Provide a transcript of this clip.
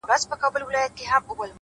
دواړه لاسه يې کړل لپه،